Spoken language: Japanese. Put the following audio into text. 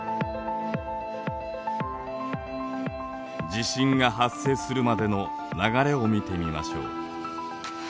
地震が発生するまでの流れを見てみましょう。